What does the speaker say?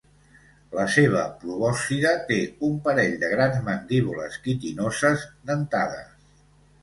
La seva probòscide té un parell de grans mandíbules quitinoses dentades.